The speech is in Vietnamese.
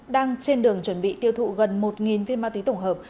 đang trên đường chuẩn bị tiêu thụ gần một viên ma túy tổng hợp